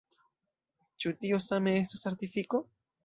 Ĉu tio same estas artifiko?